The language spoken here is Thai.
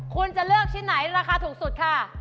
คุณจะเลือกชิ้นไหนราคาถูกสุดค่ะ